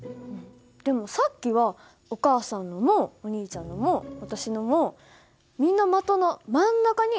でもさっきはお母さんのもお兄ちゃんのも私のもみんな的の真ん中に当たってたよ。